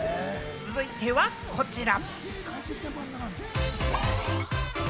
続いてはこちら！